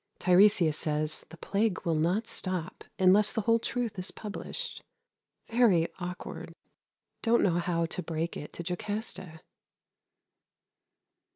Tiresias says the plague will not stop unless the whole truth is published. Very awkward. Don't know how to break it to Jocasta.